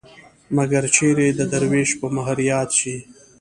مګر چېرې د دروېش په مهر ياد شي.